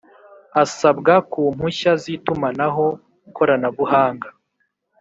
Asabwa ku mpushya z itumanaho koranabuhanga